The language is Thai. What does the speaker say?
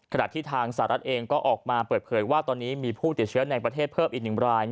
ขณะที่ทางสหรัฐเองก็ออกมาเปิดเผยว่าตอนนี้มีผู้ติดเชื้อในประเทศเพิ่มอีก๑ราย